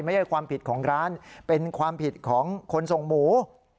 ไม่ใช่ความผิดของร้านเป็นความผิดของคนส่งหมู